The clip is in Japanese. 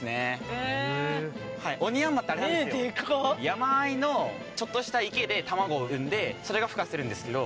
山あいのちょっとした池で卵を産んでそれがふ化するんですけど。